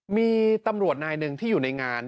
มีตำรวจนายหนึ่งที่อยู่ในงาน